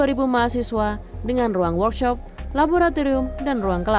yang dapat menampung dua mahasiswa dengan ruang workshop laboratorium dan ruang kelas